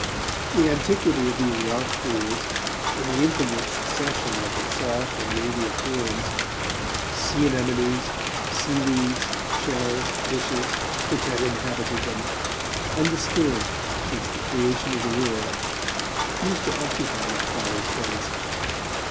The antiquity of these rock pools, and the infinite succession of the soft and radiant forms, sea anemones, seaweeds, shells, fishes, which had inhabited them, undisturbed since the creation of the world, used to occupy my Father's fancy.